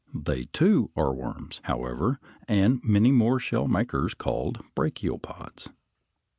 They too are worms, however, and many more shell makers called brachiopods.